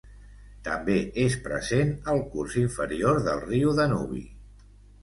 També és present al curs inferior del riu Danubi.